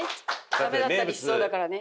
ダメだったりしそうだからね。